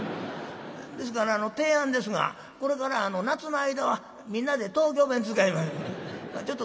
ですから提案ですがこれから夏の間はみんなで東京弁使いましょう。